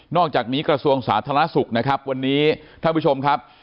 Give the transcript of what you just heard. อกจากนี้กระทรวงสาธารณสุขนะครับวันนี้ท่านผู้ชมครับ